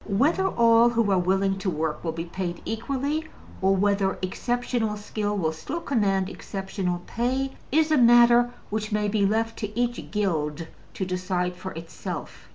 Whether all who are willing to work will be paid equally, or whether exceptional skill will still command exceptional pay, is a matter which may be left to each guild to decide for itself.